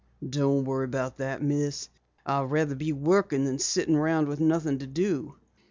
"Don't worry about that, Miss. I would rather be working than sitting around with nothing to do."